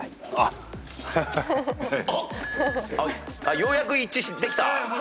ようやく一致できた？